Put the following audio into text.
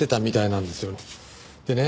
でね